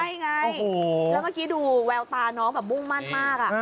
ใช่ไงแล้วเมื่อกี้ดูแววตาน้องแบบมุ่งมั่นมาก